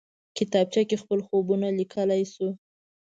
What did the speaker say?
کتابچه کې خپل خوبونه لیکلی شو